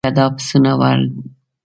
که دا پسونه ور ولې.